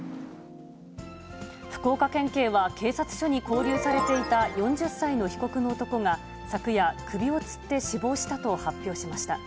福岡県警は警察署に勾留されていた４０歳の被告の男が、昨夜、首をつって死亡したと発表しました。